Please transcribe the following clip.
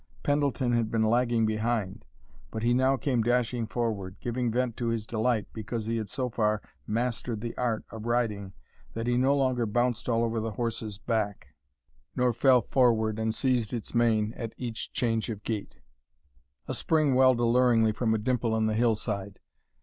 Pendleton had been lagging behind, but he now came dashing forward, giving vent to his delight because he had so far mastered the art of riding that he no longer bounced all over the horse's back nor fell forward and seized its mane at each change of gait. A spring welled alluringly from a dimple in the hillside.